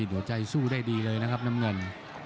โดดดดดดดดใจสู้ได้ดีเลยนะครับน้ำเงิน